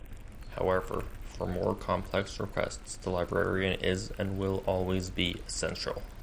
However, for more complex requests, the librarian is and will always be essential.